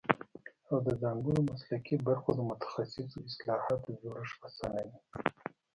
او د ځانګړو مسلکي برخو د متخصصو اصطلاحاتو جوړښت اسانوي